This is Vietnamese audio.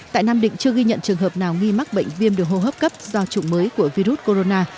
tại nam định chưa ghi nhận trường hợp nào nghi mắc bệnh viêm đường hô hấp cấp do chủng mới của virus corona